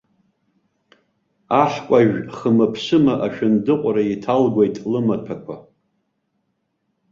Аҳкәажә хымаԥсыма ашәындыҟәра иҭалгәеит лымаҭәақәа.